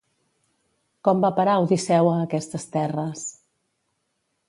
Com va a parar Odisseu a aquestes terres?